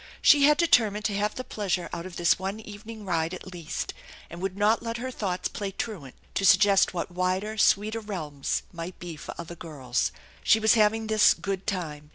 She had determined to have the pleasure out of this one evening ride at least, and would not let her thoughts play truant to suggest what wider, sweeter realms might be for other girls. She was having this good time.